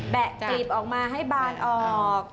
แบะเกียปออกมาให้บานออก